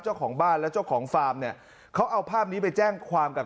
เจ้าของบ้านและเจ้าของฟาร์มเนี่ยเขาเอาภาพนี้ไปแจ้งความกับ